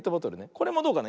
これもどうかな。